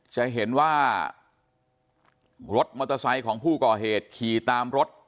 จะเห็นว่ารถมอเตอร์ไซค์ของผู้ก่อเหตุขี่ตามรถ